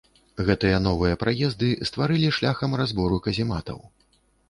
Гэтыя новыя праезды стварылі шляхам разбору казематаў.